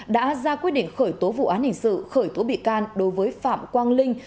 đã ra quyết định khởi tố vụ án hình sự khởi tố bị can đối với phạm quang linh